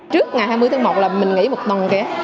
trước ngày hai mươi tháng một là mình nghỉ một tuần ké